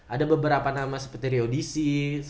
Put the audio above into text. ada beberapa nama seperti riodiesis